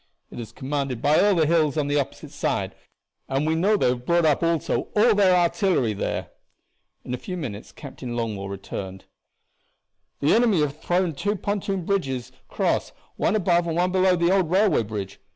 It is commanded by all the hills on the opposite side, and we know they have brought up also all their artillery there." In a few minutes Captain Longmore returned. "The enemy have thrown two pontoon bridges across, one above and one below the old railway bridge.